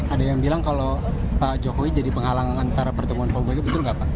ada yang bilang kalau pak jokowi jadi penghalang antara pertemuan pak jokowi betul nggak pak